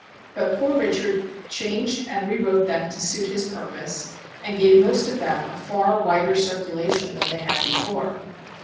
But 'Poor Richard' changed and re wrote them to suit his purpose, and gave most of them a far wider circulation than they had before."